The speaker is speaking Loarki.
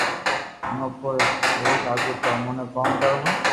جوي امو نو سھيي لاگي تو امو ڪوم ڪرو ھون